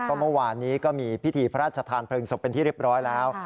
เพราะเมื่อวานนี้ก็มีพิธีพระราชทานเพลิงศพเป็นที่เรียบร้อยแล้ว